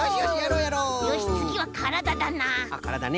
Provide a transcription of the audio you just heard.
よしつぎはからだだな。